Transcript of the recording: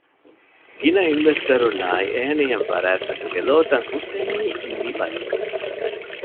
ގިނަ އިންވެސްޓަރުންނާއި އެހެނިހެން ފަރާތްތަކުގެ ލޯތައް ހުއްޓެނީ މިބަޔަށް